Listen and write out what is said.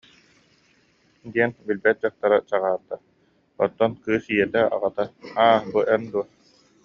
диэн билбэт дьахтара чаҕаарда, оттон кыыс ийэтэ, аҕата, «аа, бу, эн дуо